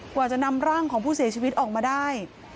กว่าจะนำร่างของผู้เสียชีวิตออกมาได้